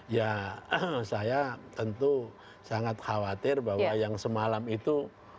ya saya tentu sangat khawatir bahwa yang semalam itu